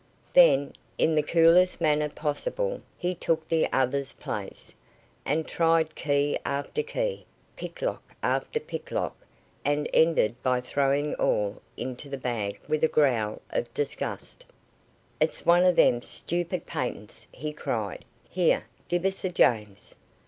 Then, in the coolest manner possible, he took the other's place, and tried key after key, picklock after picklock, and ended by throwing all into the bag with a growl of disgust. "It's one of them stoopid patents," he cried. "Here, give us a james."